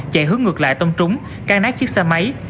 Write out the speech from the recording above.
chạy hướng ngược lại tông trúng can nát chiếc xe máy